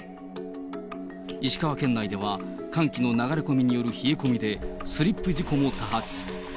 石川県内では、寒気の流れ込みによる冷え込みで、スリップ事故も多発。